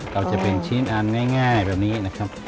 เราจะเป็นชิ้นอันง่ายแบบนี้นะครับ